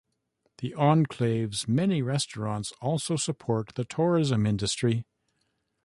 The enclave's many restaurants also support the tourism industry.